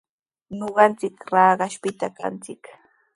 Ñuqanchik Raqashpita kanchik.